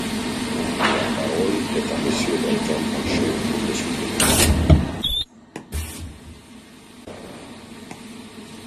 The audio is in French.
La parole est à Monsieur Bertrand Pancher, pour le soutenir.